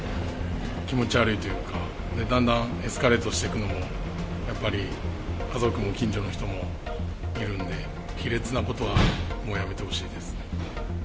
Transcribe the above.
気持ち悪いというか、だんだんエスカレートしていくのも、やっぱり、家族も近所の人もいるので、卑劣なことはもうやめてほしいです。